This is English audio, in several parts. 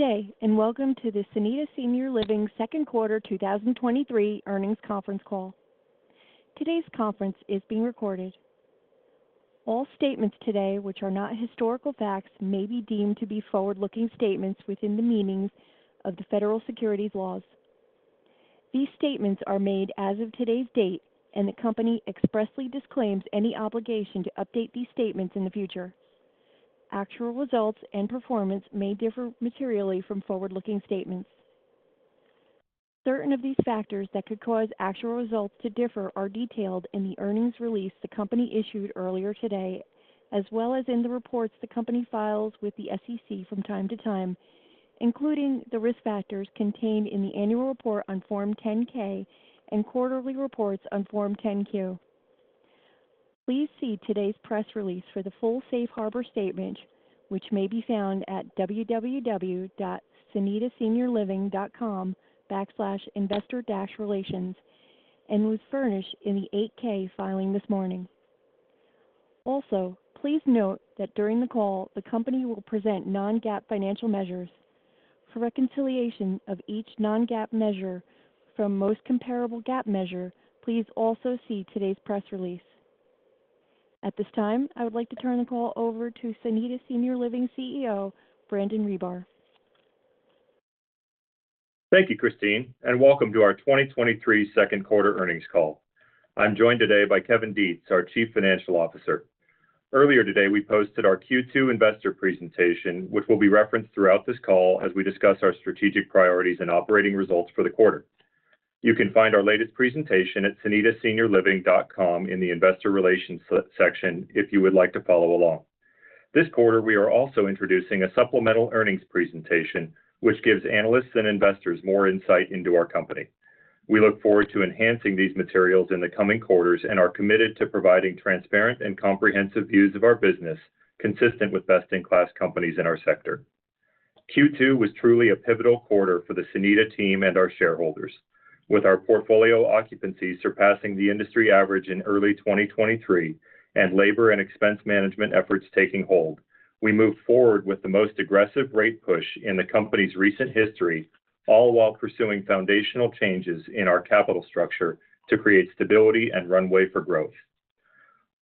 Good day, and welcome to the Sonida Senior Living Second Quarter 2023 Earnings Conference Call. Today's conference is being recorded. All statements today, which are not historical facts, may be deemed to be forward-looking statements within the meanings of the federal securities laws. These statements are made as of today's date, and the company expressly disclaims any obligation to update these statements in the future. Actual results and performance may differ materially from forward-looking statements. Certain of these factors that could cause actual results to differ are detailed in the earnings release the Company issued earlier today, as well as in the reports the Company files with the SEC from time to time, including the risk factors contained in the annual report on Form 10-K and quarterly reports on Form 10-Q. Please see today's press release for the full safe harbor statement, which may be found at www.sonidaseniorliving.com/investor-relations, and was furnished in the Form 8-K filing this morning. Also, please note that during the call, the Company will present non-GAAP financial measures. For reconciliation of each non-GAAP measure from most comparable GAAP measure, please also see today's press release. At this time, I would like to turn the call over to Sonida Senior Living CEO, Brandon Ribar. Thank you, Christine, and welcome to our 2023 second quarter earnings call. I'm joined today by Kevin Detz, our Chief Financial Officer. Earlier today, we posted our Q2 investor presentation, which will be referenced throughout this call as we discuss our strategic priorities and operating results for the quarter. You can find our latest presentation at sonidaseniorliving.com in the investor relations section if you would like to follow along. This quarter, we are also introducing a supplemental earnings presentation, which gives analysts and investors more insight into our company. We look forward to enhancing these materials in the coming quarters and are committed to providing transparent and comprehensive views of our business, consistent with best-in-class companies in our sector. Q2 was truly a pivotal quarter for the Sonida team and our shareholders. With our portfolio occupancy surpassing the industry average in early 2023, and labor and expense management efforts taking hold, we moved forward with the most aggressive rate push in the company's recent history, all while pursuing foundational changes in our capital structure to create stability and runway for growth.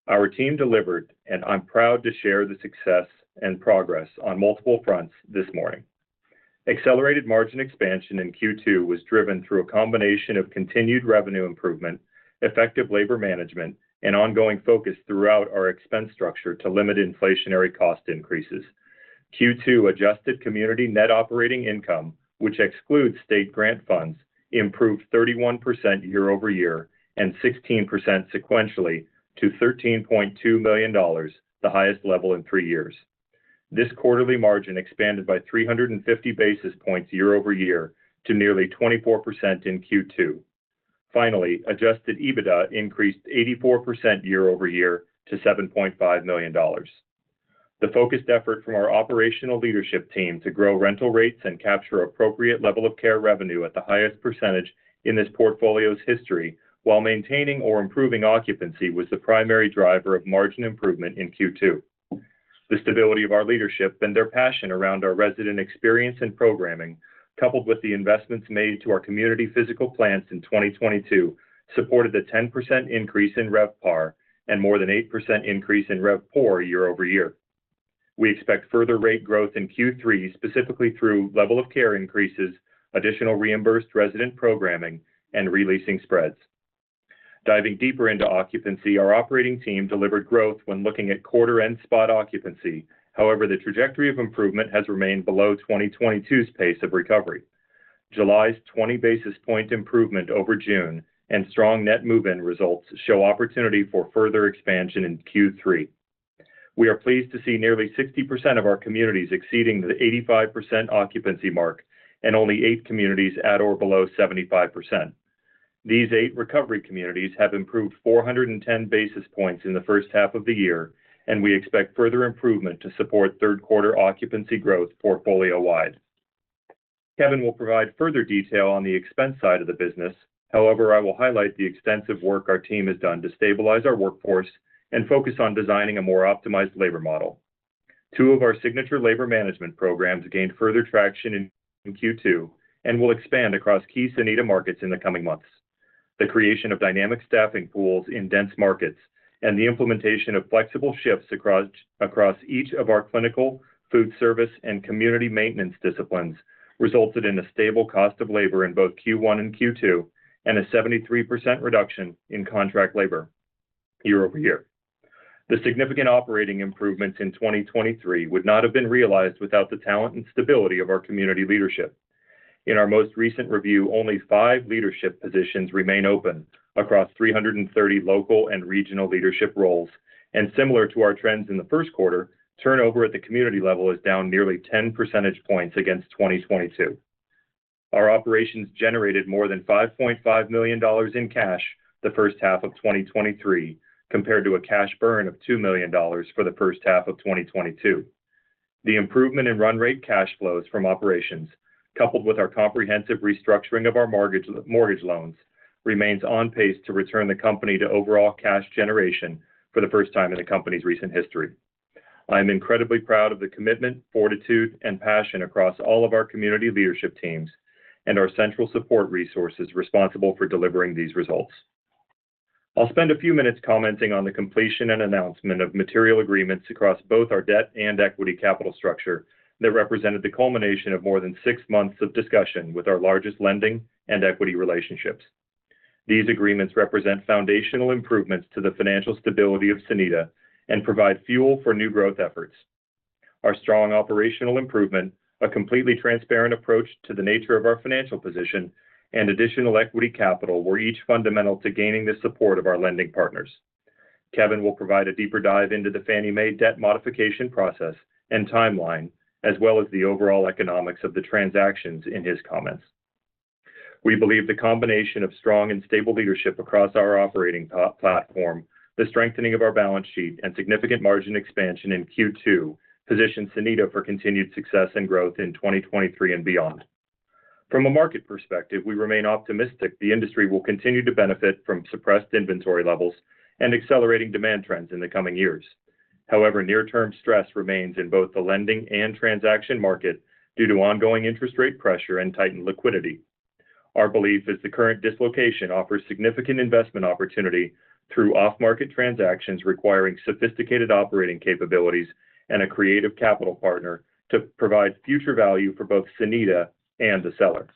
Our team delivered, and I'm proud to share the success and progress on multiple fronts this morning. Accelerated margin expansion in Q2 was driven through a combination of continued revenue improvement, effective labor management, and ongoing focus throughout our expense structure to limit inflationary cost increases. Q2 Adjusted Community Net Operating Income, which excludes state grant funds, improved 31% year-over-year and 16% sequentially to $13.2 million, the highest level in three years. This quarterly margin expanded by 350 basis points year-over-year to nearly 24% in Q2. Finally, Adjusted EBITDA increased 84% year-over-year to $7.5 million. The focused effort from our operational leadership team to grow rental rates and capture appropriate level of care revenue at the highest percentage in this portfolio's history, while maintaining or improving occupancy, was the primary driver of margin improvement in Q2. The stability of our leadership and their passion around our resident experience and programming, coupled with the investments made to our community physical plants in 2022, supported the 10% increase in RevPAR and more than 8% increase in RevPOR year-over-year. We expect further rate growth in Q3, specifically through level of care increases, additional reimbursed resident programming, and re-leasing spreads. Diving deeper into occupancy, our operating team delivered growth when looking at quarter and spot occupancy. The trajectory of improvement has remained below 2022's pace of recovery. July's 20 basis points improvement over June and strong net move-in results show opportunity for further expansion in Q3. We are pleased to see nearly 60% of our communities exceeding the 85% occupancy mark and only eight communities at or below 75%. These 8 recovery communities have improved 410 basis points in the first half of the year, and we expect further improvement to support third quarter occupancy growth portfolio-wide. Kevin will provide further detail on the expense side of the business. However, I will highlight the extensive work our team has done to stabilize our workforce and focus on designing a more optimized labor model. Two of our signature labor management programs gained further traction in Q2 and will expand across key Sonida markets in the coming months. The creation of dynamic staffing pools in dense markets and the implementation of flexible shifts across each of our clinical, food service, and community maintenance disciplines resulted in a stable cost of labor in both Q1 and Q2, and a 73% reduction in contract labor year-over-year. The significant operating improvements in 2023 would not have been realized without the talent and stability of our community leadership. In our most recent review, only five leadership positions remain open across 330 local and regional leadership roles, and similar to our trends in the first quarter, turnover at the community level is down nearly 10 percentage points against 2022. Our operations generated more than $5.5 million in cash the first half of 2023, compared to a cash burn of $2 million for the first half of 2022. The improvement in run rate cash flows from operations, coupled with our comprehensive restructuring of our mortgage, mortgage loans, remains on pace to return the company to overall cash generation for the first time in the company's recent history. I am incredibly proud of the commitment, fortitude, and passion across all of our community leadership teams and our central support resources responsible for delivering these results. I'll spend a few minutes commenting on the completion and announcement of material agreements across both our debt and equity capital structure that represented the culmination of more than six months of discussion with our largest lending and equity relationships. These agreements represent foundational improvements to the financial stability of Sonida and provide fuel for new growth efforts. Our strong operational improvement, a completely transparent approach to the nature of our financial position, and additional equity capital were each fundamental to gaining the support of our lending partners. Kevin will provide a deeper dive into the Fannie Mae debt modification process and timeline, as well as the overall economics of the transactions in his comments. We believe the combination of strong and stable leadership across our operating platform, the strengthening of our balance sheet, and significant margin expansion in Q2, positions Sonida for continued success and growth in 2023 and beyond. From a market perspective, we remain optimistic the industry will continue to benefit from suppressed inventory levels and accelerating demand trends in the coming years. However, near-term stress remains in both the lending and transaction market due to ongoing interest rate pressure and tightened liquidity. Our belief is the current dislocation offers significant investment opportunity through off-market transactions, requiring sophisticated operating capabilities and a creative capital partner to provide future value for both Sonida and the sellers.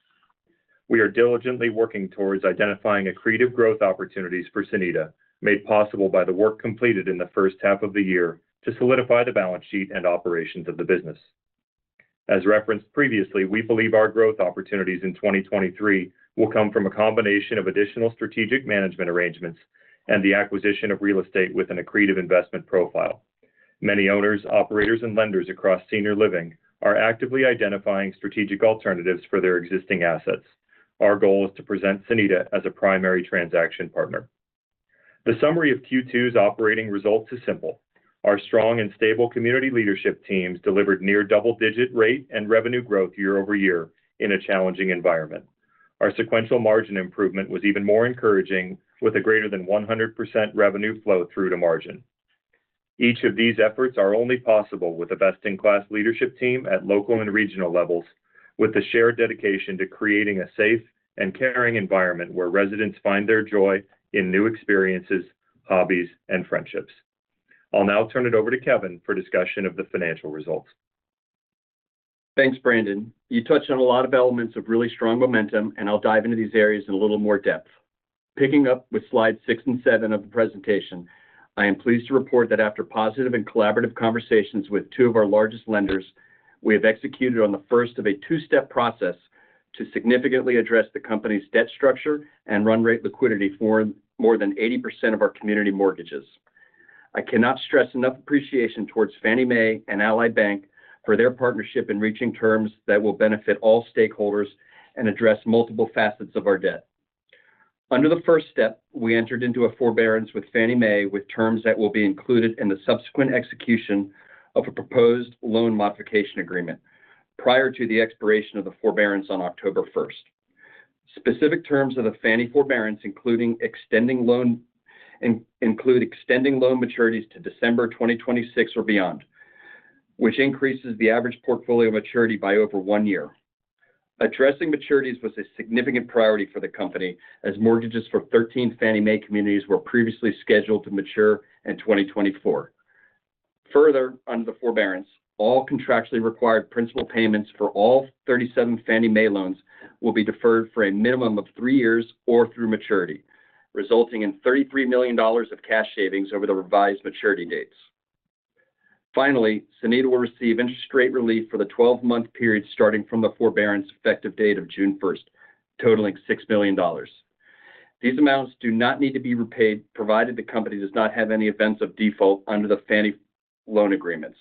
We are diligently working towards identifying accretive growth opportunities for Sonida, made possible by the work completed in the first half of the year to solidify the balance sheet and operations of the business. As referenced previously, we believe our growth opportunities in 2023 will come from a combination of additional strategic management arrangements and the acquisition of real estate with an accretive investment profile. Many owners, operators, and lenders across senior living are actively identifying strategic alternatives for their existing assets. Our goal is to present Sonida as a primary transaction partner. The summary of Q2's operating results is simple: Our strong and stable community leadership teams delivered near double-digit rate and revenue growth year-over-year in a challenging environment. Our sequential margin improvement was even more encouraging, with a greater than 100% revenue flow through to margin. Each of these efforts are only possible with a best-in-class leadership team at local and regional levels, with a shared dedication to creating a safe and caring environment where residents find their joy in new experiences, hobbies, and friendships. I'll now turn it over to Kevin for discussion of the financial results. Thanks, Brandon. You touched on a lot of elements of really strong momentum, and I'll dive into these areas in a little more depth. Picking up with slides six and seven of the presentation, I am pleased to report that after positive and collaborative conversations with 2 of our largest lenders, we have executed on the first of a two-step process to significantly address the company's debt structure and run rate liquidity for more than 80% of our community mortgages. I cannot stress enough appreciation towards Fannie Mae and Ally Bank for their partnership in reaching terms that will benefit all stakeholders and address multiple facets of our debt. Under the first step, we entered into a forbearance with Fannie Mae, with terms that will be included in the subsequent execution of a proposed loan modification agreement prior to the expiration of the forbearance on October 1st. Specific terms of the Fannie forbearance, include extending loan maturities to December 2026 or beyond, which increases the average portfolio maturity by over one year. Addressing maturities was a significant priority for the company, as mortgages for 13 Fannie Mae communities were previously scheduled to mature in 2024. Under the forbearance, all contractually required principal payments for all 37 Fannie Mae loans will be deferred for a minimum of three years or through maturity, resulting in $33 million of cash savings over the revised maturity dates. Finally, Sonida will receive interest rate relief for the 12-month period starting from the forbearance effective date of June 1st, totaling $6 million. These amounts do not need to be repaid, provided the company does not have any events of default under the Fannie loan agreements.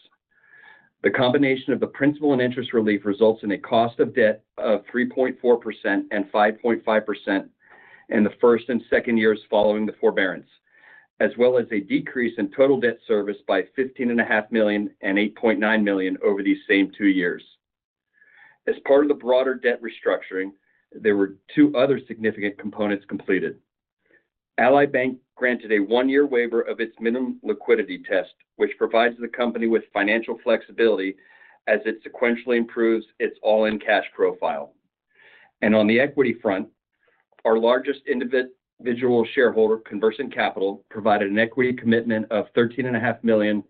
The combination of the principal and interest relief results in a cost of debt of 3.4% and 5.5% in the 1st and 2nd years following the forbearance, as well as a decrease in total debt service by $15.5 million and $8.9 million over these same two years. As part of the broader debt restructuring, there were two other significant components completed. Ally Bank granted a one-year waiver of its minimum liquidity test, which provides the company with financial flexibility as it sequentially improves its all-in cash profile. On the equity front, our largest individual shareholder, Conversant Capital, provided an equity commitment of $13.5 million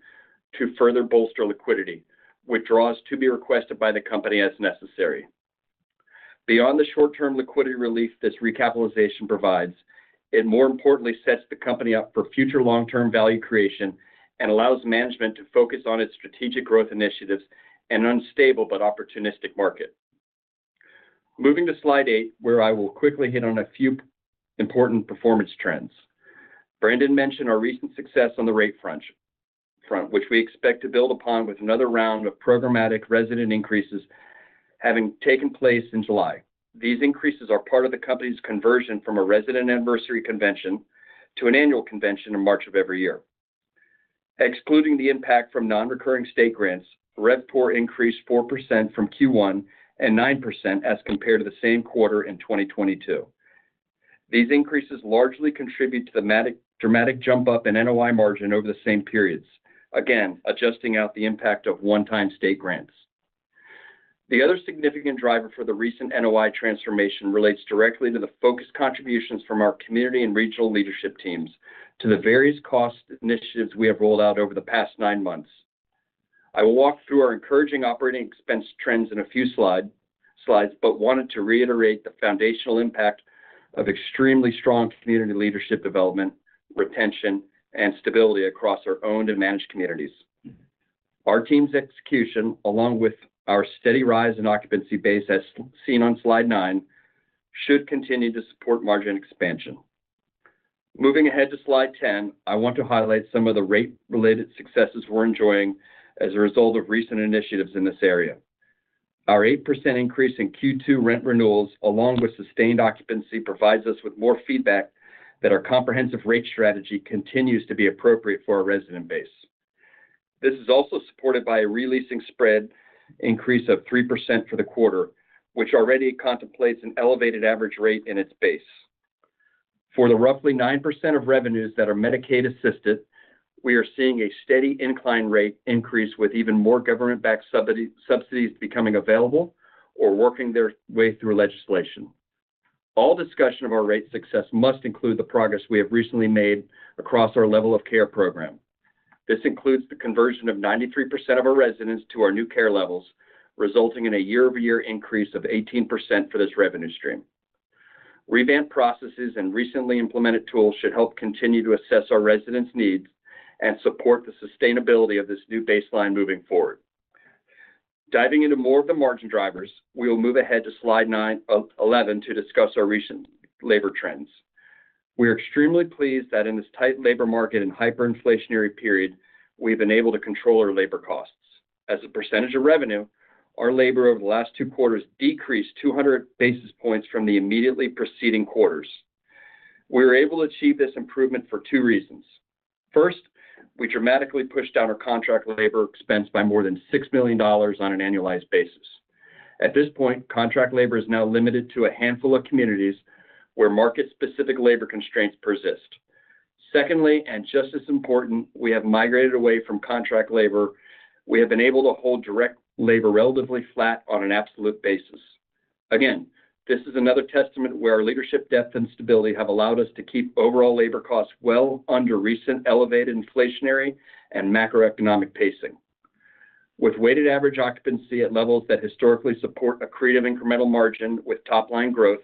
to further bolster liquidity, withdraws to be requested by the company as necessary. Beyond the short-term liquidity relief this recapitalization provides, it more importantly sets the company up for future long-term value creation and allows management to focus on its strategic growth initiatives in an unstable but opportunistic market. Moving to slide 8, where I will quickly hit on a few important performance trends. Brandon mentioned our recent success on the rate front, which we expect to build upon with another round of programmatic resident increases having taken place in July. These increases are part of the company's conversion from a resident anniversary convention to an annual convention in March of every year. Excluding the impact from non-recurring state grants, RevPOR increased 4% from Q1 and 9% as compared to the same quarter in 2022. These increases largely contribute to the dramatic jump up in NOI margin over the same periods, again, adjusting out the impact of one-time state grants. The other significant driver for the recent NOI transformation relates directly to the focused contributions from our community and regional leadership teams to the various cost initiatives we have rolled out over the past nine months. I will walk through our encouraging operating expense trends in a few slides, but wanted to reiterate the foundational impact of extremely strong community leadership development, retention, and stability across our owned and managed communities. Our team's execution, along with our steady rise in occupancy base, as seen on slide nine, should continue to support margin expansion. Moving ahead to slide 10, I want to highlight some of the rate-related successes we're enjoying as a result of recent initiatives in this area. Our 8% increase in Q2 rent renewals, along with sustained occupancy, provides us with more feedback that our comprehensive rate strategy continues to be appropriate for our resident base. This is also supported by a re-leasing spread increase of 3% for the quarter, which already contemplates an elevated average rate in its base. For the roughly 9% of revenues that are Medicaid-assisted, we are seeing a steady incline rate increase, with even more government-backed subsidies becoming available or working their way through legislation. All discussion of our rate success must include the progress we have recently made across our level of care program. This includes the conversion of 93% of our residents to our new care levels, resulting in a year-over-year increase of 18% for this revenue stream. Revamped processes and recently implemented tools should help continue to assess our residents' needs and support the sustainability of this new baseline moving forward. Diving into more of the margin drivers, we will move ahead to slide nine, 11, to discuss our recent labor trends. We are extremely pleased that in this tight labor market and hyperinflationary period, we've been able to control our labor costs. As a percentage of revenue, our labor over the last two quarters decreased 200 basis points from the immediately preceding quarters. We were able to achieve this improvement for two reasons. First, we dramatically pushed down our contract labor expense by more than $6 million on an annualized basis. At this point, contract labor is now limited to a handful of communities where market-specific labor constraints persist. Secondly, just as important, we have migrated away from contract labor. We have been able to hold direct labor relatively flat on an absolute basis. Again, this is another testament where our leadership depth and stability have allowed us to keep overall labor costs well under recent elevated inflationary and macroeconomic pacing. With weighted average occupancy at levels that historically support accretive incremental margin with top-line growth,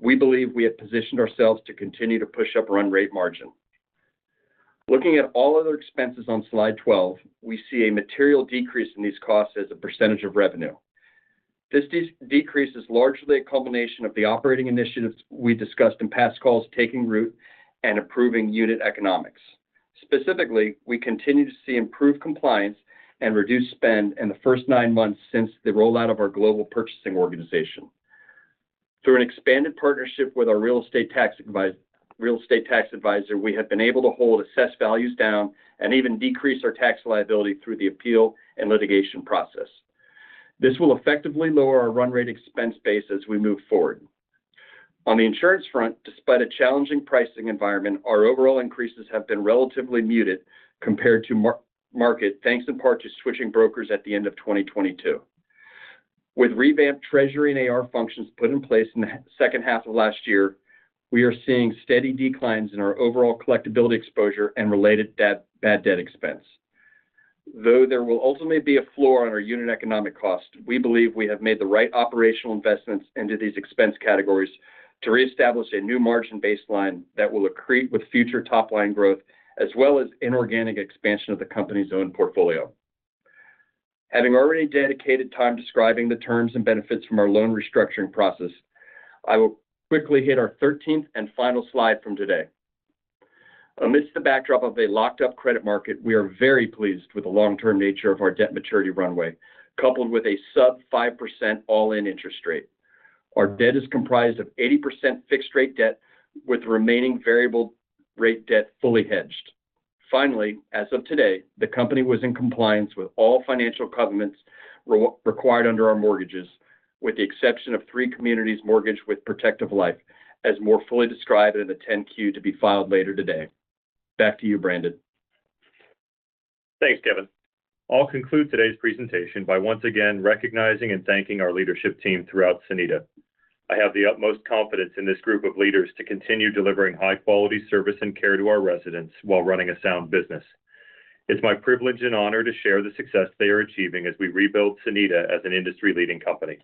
we believe we have positioned ourselves to continue to push up run rate margin. Looking at all other expenses on slide 12, we see a material decrease in these costs as a percentage of revenue. This decrease is largely a combination of the operating initiatives we discussed in past calls taking root and improving unit economics. Specifically, we continue to see improved compliance and reduced spend in the first nine months since the rollout of our group purchasing organization. Through an expanded partnership with our real estate tax advisor, we have been able to hold assessed values down and even decrease our tax liability through the appeal and litigation process. This will effectively lower our run rate expense base as we move forward. On the insurance front, despite a challenging pricing environment, our overall increases have been relatively muted compared to market, thanks in part to switching brokers at the end of 2022. With revamped treasury and AR functions put in place in the second half of last year, we are seeing steady declines in our overall collectibility exposure and related debt, bad debt expense. Though there will ultimately be a floor on our unit economic costs, we believe we have made the right operational investments into these expense categories to reestablish a new margin baseline that will accrete with future top-line growth, as well as inorganic expansion of the company's own portfolio. Having already dedicated time describing the terms and benefits from our loan restructuring process, I will quickly hit our thirteenth and final slide from today. Amidst the backdrop of a locked-up credit market, we are very pleased with the long-term nature of our debt maturity runway, coupled with a sub 5% all-in interest rate. Our debt is comprised of 80% fixed-rate debt, with the remaining variable rate debt fully hedged. Finally, as of today, the company was in compliance with all financial covenants re-required under our mortgages, with the exception of three communities mortgaged with Protective Life, as more fully described in the 10-Q to be filed later today. Back to you, Brandon. Thanks, Kevin. I'll conclude today's presentation by once again recognizing and thanking our leadership team throughout Sonida. I have the utmost confidence in this group of leaders to continue delivering high-quality service and care to our residents while running a sound business. It's my privilege and honor to share the success they are achieving as we rebuild Sonida as an industry-leading company.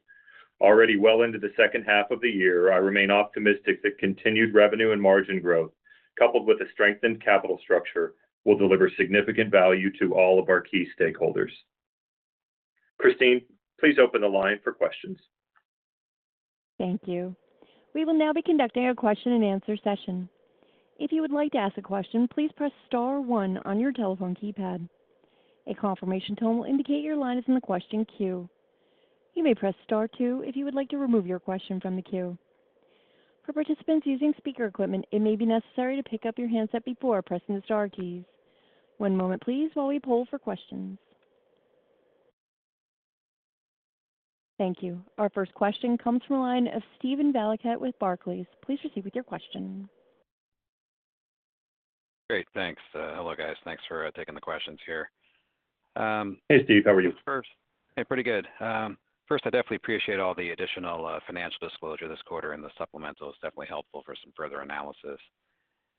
Already well into the second half of the year, I remain optimistic that continued revenue and margin growth, coupled with a strengthened capital structure, will deliver significant value to all of our key stakeholders. Christine, please open the line for questions. Thank you. We will now be conducting a question-and-answer session. If you would like to ask a question, please press star one on your telephone keypad. A confirmation tone will indicate your line is in the question queue. You may press star two if you would like to remove your question from the queue... For participants using speaker equipment, it may be necessary to pick up your handset before pressing the star keys. One moment please, while we poll for questions. Thank you. Our first question comes from the line of Steven Valiquette with Barclays. Please proceed with your question. Great. Thanks. Hello, guys. Thanks for taking the questions here. Hey, Steve. How are you? Hey, pretty good. First, I definitely appreciate all the additional financial disclosure this quarter, and the supplemental is definitely helpful for some further analysis.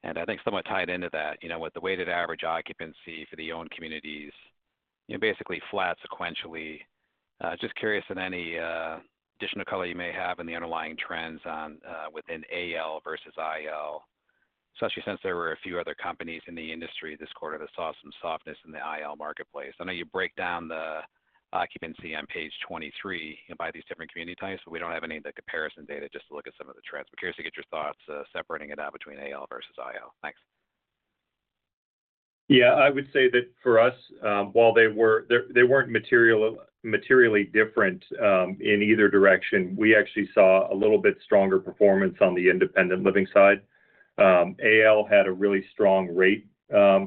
I think somewhat tied into that, you know, with the weighted average occupancy for the owned communities, you're basically flat sequentially. Just curious on any additional color you may have on the underlying trends on within AL versus IL, especially since there were a few other companies in the industry this quarter that saw some softness in the IL marketplace. I know you break down the occupancy on page 23 by these different community types, but we don't have any of the comparison data just to look at some of the trends. Curious to get your thoughts, separating it out between AL versus IL. Thanks. Yeah, I would say that for us, while they, they weren't materially different, in either direction, we actually saw a little bit stronger performance on the independent living side. AL had a really strong rate,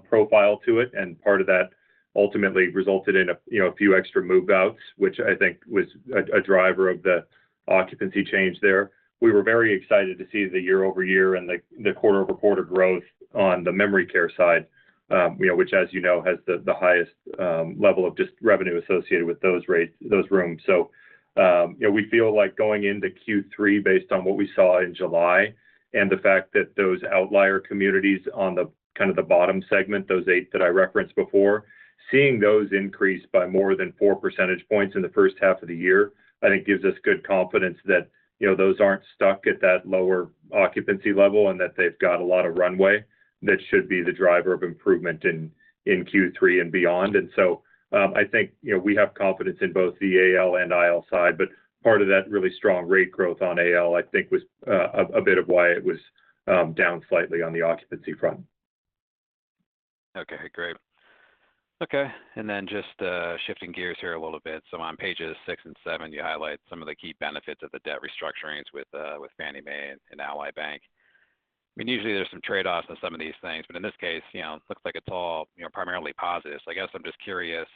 profile to it, and part of that ultimately resulted in a, you know, a few extra move-outs, which I think was a, a driver of the occupancy change there. We were very excited to see the year-over-year and the, the quarter-over-quarter growth on the memory care side, you know, which, as you know, has the, the highest, level of just revenue associated with those rates, those rooms. You know, we feel like going into Q3, based on what we saw in July, and the fact that those outlier communities on the kind of the bottom segment, those 8 that I referenced before, seeing those increase by more than 4 percentage points in the first half of the year, I think gives us good confidence that, you know, those aren't stuck at that lower occupancy level and that they've got a lot of runway. That should be the driver of improvement in, in Q3 and beyond. I think, you know, we have confidence in both the AL and IL side, but part of that really strong rate growth on AL, I think, was a bit of why it was down slightly on the occupancy front. Okay, great. Okay, just shifting gears here a little bit. On pages six and seven, you highlight some of the key benefits of the debt restructurings with Fannie Mae and Ally Bank. I mean, usually there's some trade-offs on some of these things, but in this case, you know, it looks like it's all, you know, primarily positive. I guess I'm just curious,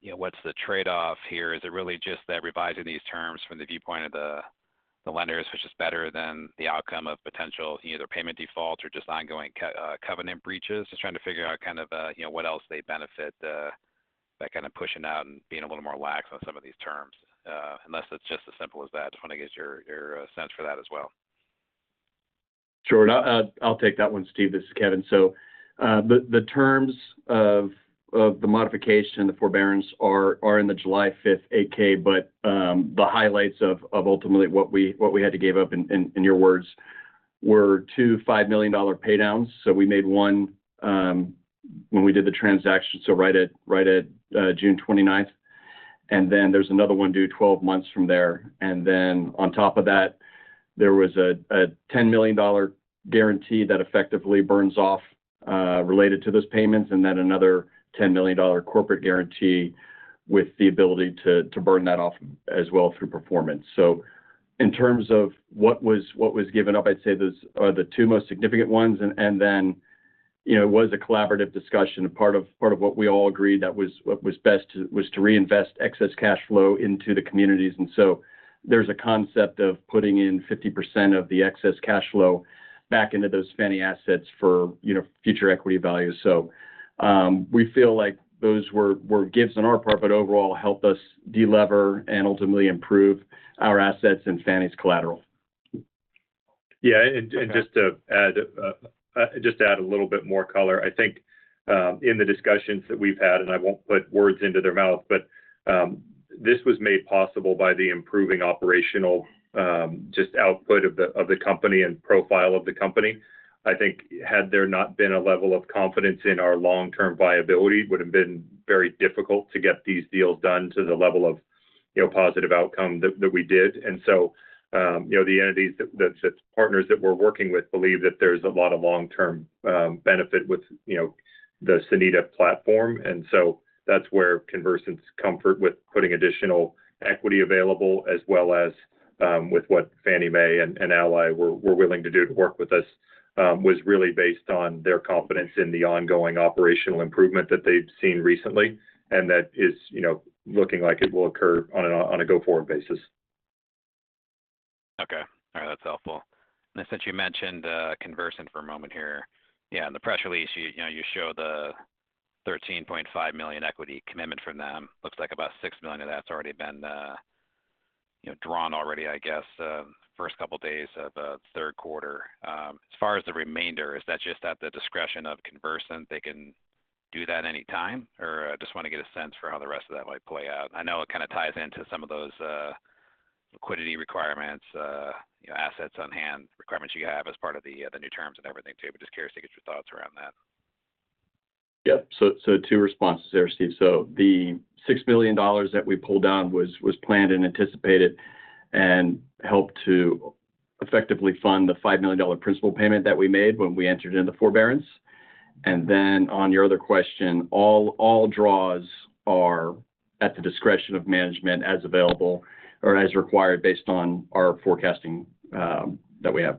you know, what's the trade-off here? Is it really just that revising these terms from the viewpoint of the lenders, which is better than the outcome of potential either payment default or just ongoing covenant breaches? Just trying to figure out kind of, you know, what else they benefit by kind of pushing out and being a little more lax on some of these terms, unless it's just as simple as that. Just want to get your, your sense for that as well. Sure. I'll, I'll take that one, Steve. This is Kevin. The terms of the modification, the forbearance, are in the July fifth 8-K, but the highlights of ultimately what we, what we had to give up in your words, were two $5 million pay downs. We made one when we did the transaction, so right at, right at June 29th, and then there's another one due 12 months from there. On top of that, there was a $10 million guarantee that effectively burns off related to those payments, and then another $10 million corporate guarantee with the ability to burn that off as well through performance. In terms of what was given up, I'd say those are the two most significant ones. Then, you know, it was a collaborative discussion. A part of, part of what we all agreed that was what was best to... was to reinvest excess cash flow into the communities. There's a concept of putting in 50% of the excess cash flow back into those Fannie assets for, you know, future equity value. We feel like those were, were gifts on our part, but overall, help us delever and ultimately improve our assets in Fannie's collateral. Okay. Yeah, just to add a little bit more color, I think, in the discussions that we've had, I won't put words into their mouth, but this was made possible by the improving operational, just output of the company and profile of the company. I think had there not been a level of confidence in our long-term viability, would have been very difficult to get these deals done to the level of, you know, positive outcome that, that we did. So, you know, the entities that, that, that partners that we're working with believe that there's a lot of long-term benefit with, you know, the Sonida platform. So that's where Conversant's comfort with putting additional equity available, as well as, with what Fannie Mae and, and Ally were, were willing to do to work with us, was really based on their confidence in the ongoing operational improvement that they've seen recently, and that is, you know, looking like it will occur on a, on a go-forward basis. Okay. All right, that's helpful. Since you mentioned Conversant for a moment here, yeah, in the press release, you, you know, you show the $13.5 million equity commitment from them. Looks like about $6 million of that's already been, you know, drawn already, I guess, first couple days of the third quarter. As far as the remainder, is that just at the discretion of Conversant, they can do that anytime? I just want to get a sense for how the rest of that might play out. I know it kind of ties into some of those liquidity requirements, you know, assets on hand requirements you have as part of the new terms and everything, too. Just curious to get your thoughts around that. Yeah. Two responses there, Steve. The $6 million that we pulled down was, was planned and anticipated and helped to effectively fund the $5 million principal payment that we made when we entered into the forbearance. On your other question, all, all draws are at the discretion of management, as available or as required, based on our forecasting that we have.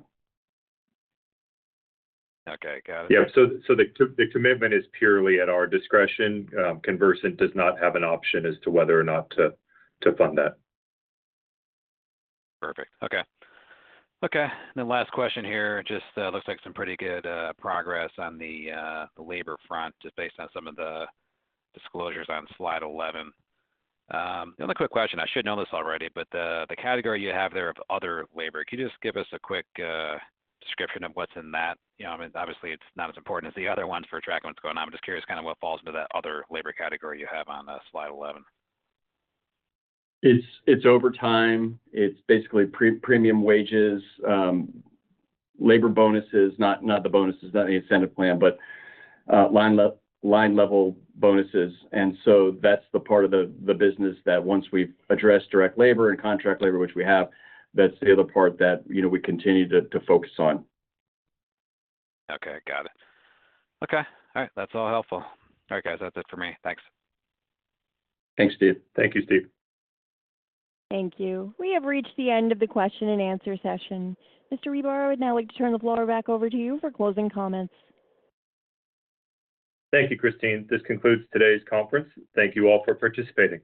Okay, got it. Yeah. The commitment is purely at our discretion. Conversant does not have an option as to whether or not to fund that. Perfect. Okay. Okay, the last question here, just looks like some pretty good progress on the labor front, just based on some of the disclosures on slide 11. Only quick question, I should know this already, but the category you have there of other labor, can you just give us a quick description of what's in that? You know, I mean, obviously, it's not as important as the other ones for tracking what's going on. I'm just curious kind of what falls into that other labor category you have on slide 11. It's, it's overtime. It's basically premium wages, labor bonuses, not, not the bonuses, not the incentive plan, but line level bonuses. That's the part of the business that once we've addressed direct labor and contract labor, which we have, that's the other part that, you know, we continue to focus on. Okay, got it. Okay. All right. That's all helpful. All right, guys, that's it for me. Thanks. Thanks, Steve. Thank you, Steve. Thank you. We have reached the end of the question and answer session. Mr. Ribar, I would now like to turn the floor back over to you for closing comments. Thank you, Christine. This concludes today's conference. Thank you all for participating.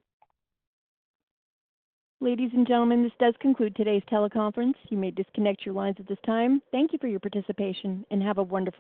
Ladies and gentlemen, this does conclude today's teleconference. You may disconnect your lines at this time. Thank you for your participation, and have a wonderful day.